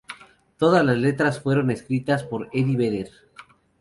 Todas las letras fueron escritas por Eddie Vedder.